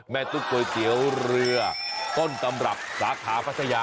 ตุ๊กก๋วยเตี๋ยวเรือต้นตำรับสาขาพัทยา